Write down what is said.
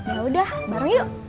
yaudah bareng yuk